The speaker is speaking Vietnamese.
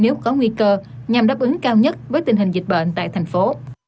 nếu có nguy cơ nhằm đáp ứng cao nhất với tình hình dịch bệnh tại thành phố